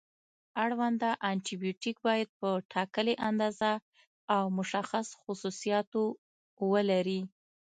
اړونده انټي بیوټیک باید په ټاکلې اندازه او مشخص خصوصیاتو ولري.